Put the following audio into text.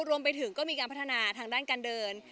รวมไปถึงก็มีการพัฒนาทางด้านการเดิน